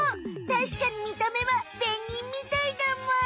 たしかにみた目はペンギンみたいだむ。